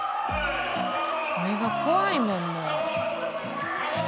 目が怖いもんもう。